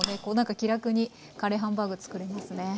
気楽にカレーハンバーグ作れますね。